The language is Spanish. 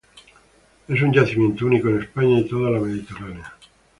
Es un yacimiento único en España y toda la mediterránea.